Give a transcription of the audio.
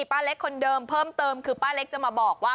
ป้าเล็กคนเดิมเพิ่มเติมคือป้าเล็กจะมาบอกว่า